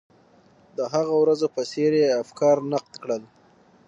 د هغو ورځو په څېر یې افکار نقد کړل.